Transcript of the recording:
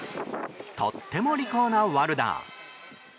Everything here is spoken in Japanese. とっても利口なワルダー。